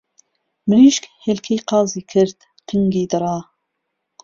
مریشک هێلکهی قازی کرد قنگی دڕا